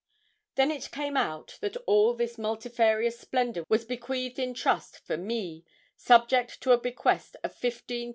Then it came out that all this multifarious splendour was bequeathed in trust for me, subject to a bequest of 15,000_l_.